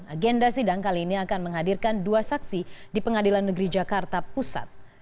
agenda sidang kali ini akan menghadirkan dua saksi di pengadilan negeri jakarta pusat